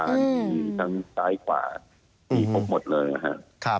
มีทั้งซ้ายกว่ามีทั้งหมดเลยนะครับ